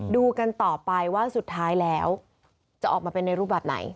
ดูกันต่อไปว่าสุดท้ายแล้วจะออกมาเป็นในรูปแบบไหน